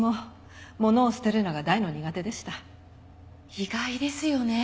意外ですよね。